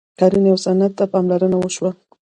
کرنې او صنعت ته پاملرنه وشوه.